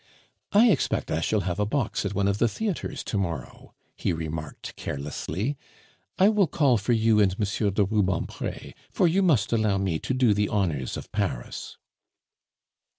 "I expect I shall have a box at one of the theatres to morrow," he remarked carelessly; "I will call for you and M. de Rubempre, for you must allow me to do the honors of Paris."